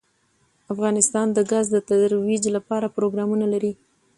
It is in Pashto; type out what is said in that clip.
افغانستان د ګاز د ترویج لپاره پروګرامونه لري.